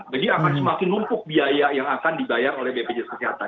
jadi akan semakin lumpuh biaya yang akan dibayar oleh bpjs kesehatan